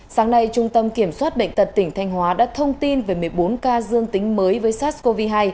sáng nay trung tâm kiểm soát bệnh tật tỉnh thanh hóa đã thông tin về một mươi bốn ca dương tính với sars cov hai